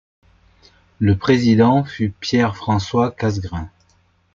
Le Président fut Pierre-François Casgrain.